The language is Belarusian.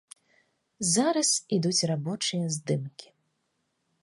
Зараз ідуць рабочыя здымкі.